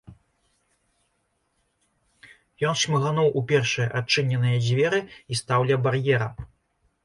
Ён шмыгануў у першыя адчыненыя дзверы і стаў ля бар'ера.